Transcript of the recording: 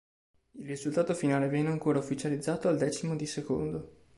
Il risultato finale viene ancora ufficializzato al decimo di secondo.